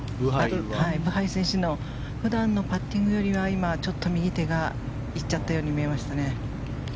ブハイ選手の普段のパッティングよりは今、ちょっと右手が行っちゃったように見えました。